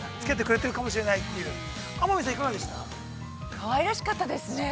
◆かわいらしかったですね。